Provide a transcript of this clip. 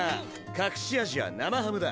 隠し味は生ハムだ。